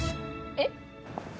えっ？